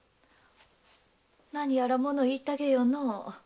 何やらもの言いたげよのう。